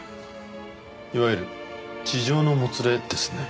いわゆる痴情のもつれですね。